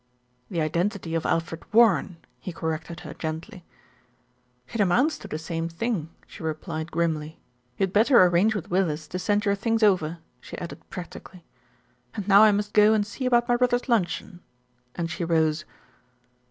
"The identity of Alfred Warren," he corrected her gently. "It amounts to the same thing," she replied grimly. "You had better arrange with Willis to send your things over," she added practically. "And now I must go and see about my brother's luncheon," and she rose.